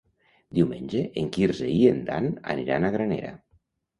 Diumenge en Quirze i en Dan aniran a Granera.